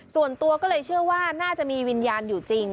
ส่วนตัวก็เลยเชื่อว่าน่าจะมีวิญญาณอยู่จริง